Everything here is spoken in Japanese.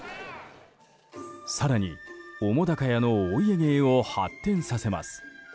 更に、澤瀉屋のお家芸を発展させます。